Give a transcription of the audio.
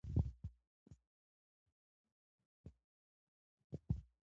سیاسي زغم ټولنه له داخلي شخړو ژغوري